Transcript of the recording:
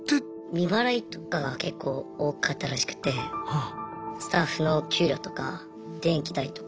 未払いとかが結構多かったらしくてスタッフの給料とか電気代とか。